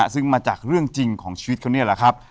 ซึ่งมาจากเรื่องจริงของชีวิตเขานี่แหละครับ